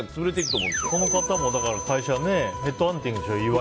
この方も会社ヘッドハンティングでしょ。